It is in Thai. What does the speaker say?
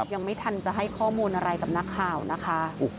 ยังไม่ทันจะให้ข้อมูลอะไรกับนักข่าวนะคะ